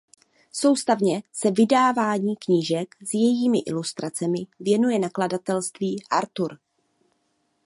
Soustavně se vydávání knížek s jejími ilustracemi věnuje nakladatelství Artur.